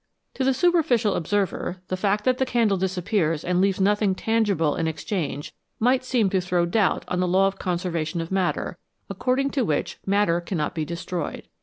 To the super ficial observer the fact that the candle disappears and leaves nothing tangible in exchange might seem to throw doubt on the law of conservation of matter, according to which matter cannot be destroyed.